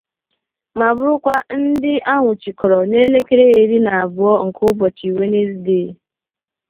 ma bụrụkwa ndị a nwụchikọrọ n'elekere iri na abụọ nke ụbọchị Wenezdee